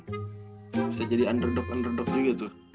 bisa jadi underdog underdog juga tuh